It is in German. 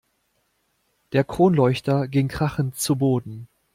Der Kronleuchter ging krachend zu Boden.